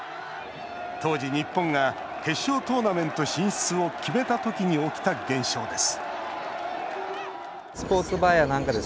当時、日本が決勝トーナメントを決めた時に起きた現象です